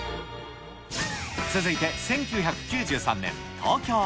続いて、１９９３年、東京。